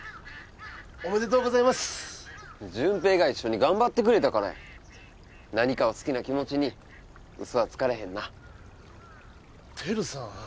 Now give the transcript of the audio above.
おめでとうございますジュンペイが一緒に頑張ってくれたからや何かを好きな気持ちにウソはつかれへんなテルさん